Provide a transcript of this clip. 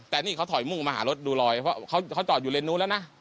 แต่นี่เขาถอยมุ่งมาหารถดูรอยเพราะเขาจอดอยู่เลนนู้นแล้วนะ